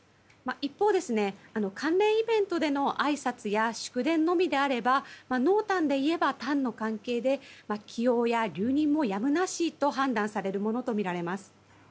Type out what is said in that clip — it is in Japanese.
一方、関連イベントでのあいさつや祝電のみであれば濃淡でいえば淡の関係で起用や留任もやむなしと判断されるものとみられます。